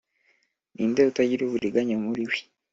ninde utagira uburiganya muri we